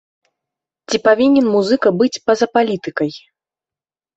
Ці павінен музыка быць па-за палітыкай?